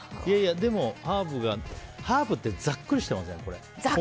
でもハーブってざっくりしてません？